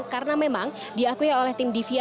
karena memang diakui oleh tim dvi